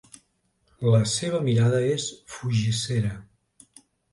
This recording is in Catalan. La seva mirada és fugissera.